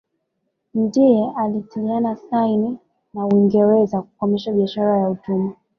Ndiye alitiliana saini na Uingereza kukomesha biashara ya watumwa